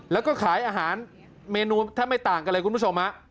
แล้วก็ขายอาหารเมนูแทบไม่ต่างกันเลยคุณผู้ชมฮะ